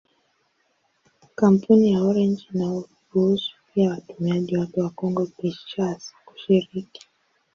Kampuni ya Orange inaruhusu pia watumiaji wake wa Kongo-Kinshasa kushiriki.